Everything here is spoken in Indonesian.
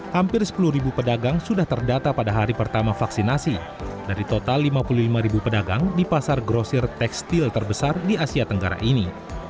hampir sepuluh pedagang sudah terdata pada hari pertama vaksinasi dari total lima puluh lima ribu pedagang di pasar grosir tekstil terbesar di asia tenggara ini